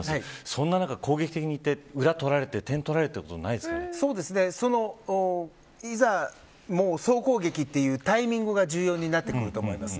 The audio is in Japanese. そんな中、攻撃的にいって裏取られていざ、総攻撃というタイミングが重要になってくると思います。